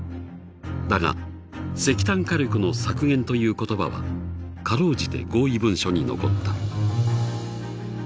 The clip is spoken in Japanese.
だが石炭火力の削減という言葉は辛うじて合意文書に残った。